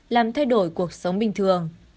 làm thay đổi cuộc sống bình thường